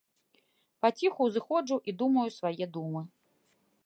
Паціху ўзыходжу і думаю свае думы.